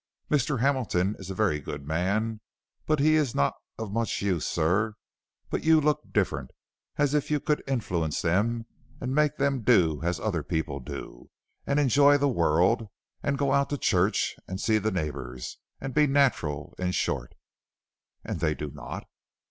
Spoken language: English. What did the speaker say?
"Mr. Hamilton is a very good man but he is not of much use, sir; but you look different, as if you could influence them, and make them do as other people do, and enjoy the world, and go out to church, and see the neighbors, and be natural in short." "And they do not?"